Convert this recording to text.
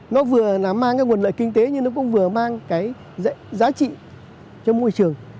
nó vừa là mang cái nguồn lợi kinh tế nhưng nó cũng vừa mang cái giá trị cho môi trường